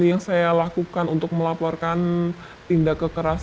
dan yang saya lakukan untuk melaporkan tindak kekerasan